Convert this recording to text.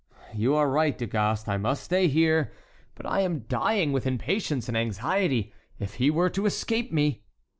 "You are right, Du Gast. I must stay here; but I am dying with impatience and anxiety. If he were to escape me!"